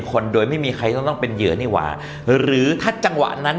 คนโดยไม่มีใครต้องเป็นเหยียวนี่วะหรือถ้าจังหวะนั้น